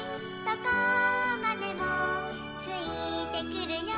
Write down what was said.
どこまでもついてくるよ」